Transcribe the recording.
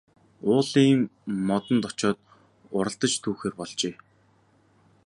Уулын модонд очоод уралдаж түүхээр болжээ.